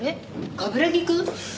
冠城くん？